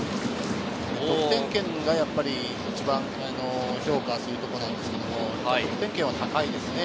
得点圏がやっぱり一番評価するところなんですけれど、高いですね。